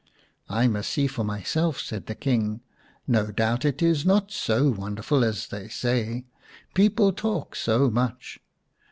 " I must see for myself," said the King. " No doubt it is not so wonderful as they say. People talk so much."